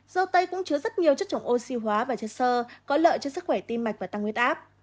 dầu tây cũng chứa rất nhiều chất trống oxy hóa và chất sơ có lợi cho sức khỏe tim mạch và tăng nguyết áp